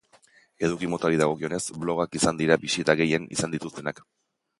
Eduki motari dagokionez, blogak izan dira bisita gehien izan dituztenak.